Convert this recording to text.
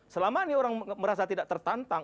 selama ini orang merasa tidak tertantang